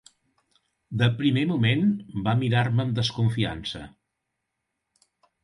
De primer moment va mirar-me amb desconfiança.